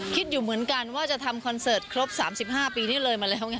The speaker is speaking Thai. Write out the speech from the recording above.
คิดอยู่เหมือนกันว่าจะทำคอนเสิร์ตครบ๓๕ปีที่เลยมาแล้วไง